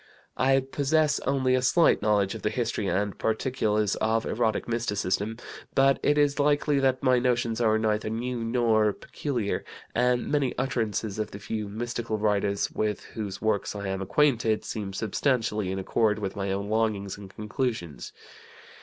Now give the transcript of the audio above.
"I possess only a slight knowledge of the history and particulars of erotic mysticism, but it is likely that my notions are neither new nor peculiar, and many utterances of the few mystical writers with whose works I am acquainted seem substantially in accord with my own longings and conclusions.